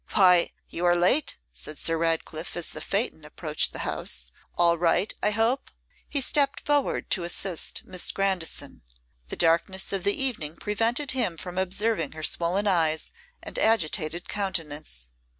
'Why, you are late,' said Sir Ratcliffe, as the phaeton approached the house. 'All right, I hope?' He stepped forward to assist Miss Grandison. The darkness of the evening prevented him from observing her swollen eyes and agitated countenance.